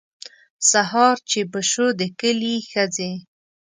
سهار چې به شو د کلي ښځې.